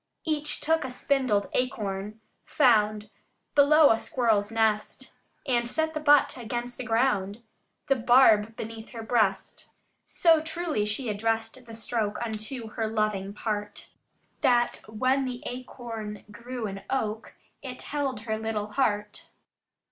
Each took a spindled acorn, found Below a squirrel's nest, And set the butt against the ground, The barb beneath her breast: So truly she addressed the stroke unto her loving part, That when the acorn grew an oak, it held her little heart.